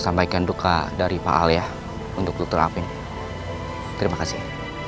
sampaikan duka dari pak al ya untuk dokter alvin terima kasih